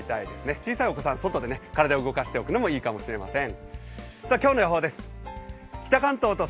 小さいお子さん、外で体を動かしていくのもいいかもしれません。